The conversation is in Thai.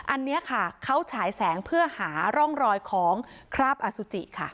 อันนี้ค่ะเขาฉายแสงเพื่อหาร่องรอยของคราบอสุจิค่ะ